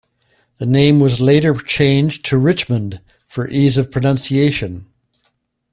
The name was later changed to Richmond for ease of pronunciation.